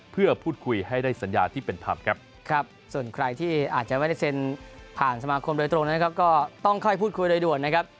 เพื่อพูดคุยให้ได้สัญญาที่เป็นธรรมครับครับส่วนใครที่อาจจะไม่ได้เซ็นผ่านสมาคมโดยตรงนะครับก็ต้องค่อยพูดคุยโดยด่วนนะครับ